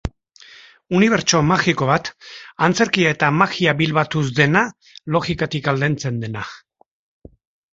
Unibertso magiko bat, antzerkia eta magia bilbatuz dena logikatik aldentzen dena.